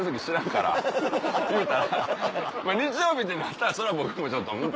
日曜日ってなったらそれは僕もちょっとうん？